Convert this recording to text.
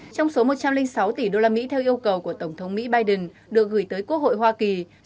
trong số một trăm linh sáu tỷ usd theo yêu cầu của tổng thống mỹ biden được gửi tới quốc hội hoa kỳ